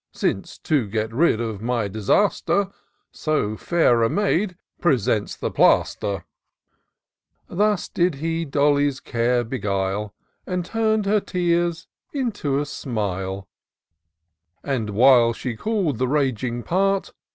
Since, to get rid of my disaster. So fair a maid presents the plaster." Thus did he Dolly's care beguile, And tum'd her tears into a smile ; But, while she cool'd the raging part.